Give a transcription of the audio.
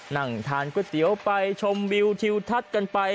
นั่งทานก๋วยเตี๋ยวไปชมวิวทิวทัศน์กันไป